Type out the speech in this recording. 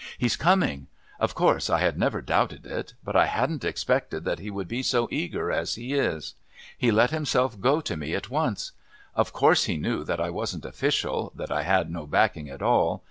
"He's coming! Of course I had never doubted it, but I hadn't expected that he would be so eager as he is. He let himself go to me at once. Of course he knew that I wasn't official, that I had no backing at all.